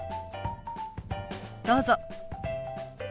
どうぞ。